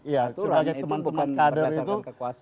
ya sebagai teman teman kader itu